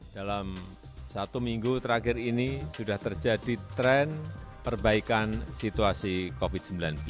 dalam satu minggu terakhir ini sudah terjadi tren perbaikan situasi covid sembilan belas